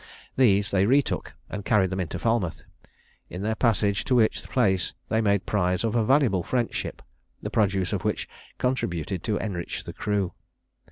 These they retook, and carried them into Falmouth; in their passage to which place they made prize of a valuable French ship, the produce of which contributed to enrich the crew.